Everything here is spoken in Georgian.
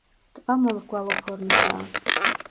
ტბა მომრგვალო ფორმისაა.